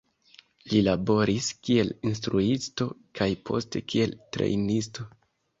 Li laboris kiel instruisto kaj poste kiel trejnisto.